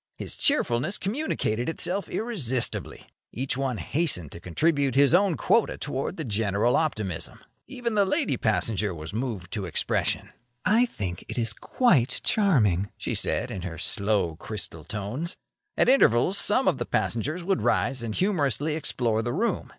His cheerfulness communicated itself irresistibly. Each one hastened to contribute his own quota toward the general optimism. Even the lady passenger was moved to expression. "I think it is quite charming," she said, in her slow, crystal tones. At intervals some one of the passengers would rise and humorously explore the room.